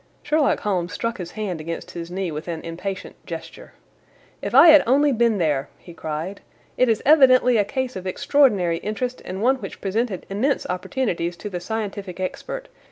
Sherlock Holmes struck his hand against his knee with an impatient gesture. "If I had only been there!" he cried. "It is evidently a case of extraordinary interest, and one which presented immense opportunities to the scientific expert.